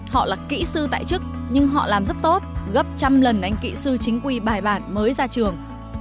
họ là kỹ sư tại chức nhưng họ làm rất tốt gấp trăm lần anh kỹ sư chính quy bài bản mới ra trường